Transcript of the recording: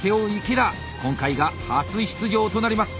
今回が初出場となります。